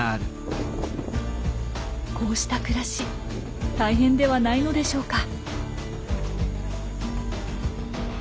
こうした暮らし大変ではないのでしょうか？